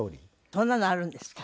そんなのあるんですか？